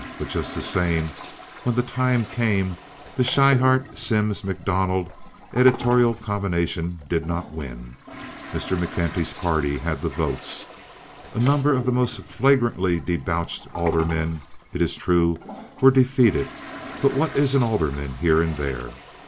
But just the same, when the time came, the Schryhart Simms MacDonald editorial combination did not win. Mr. McKenty's party had the votes. A number of the most flagrantly debauched aldermen, it is true, were defeated; but what is an alderman here and there?